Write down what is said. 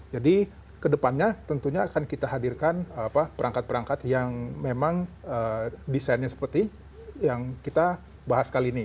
jadi kedepannya tentunya akan kita hadirkan perangkat perangkat yang memang desainnya seperti yang kita bahas kali ini